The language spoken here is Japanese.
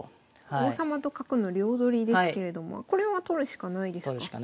王様と角の両取りですけれどもこれは取るしかないですか。